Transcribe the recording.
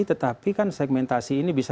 tetapi kan segmentasi ini bisa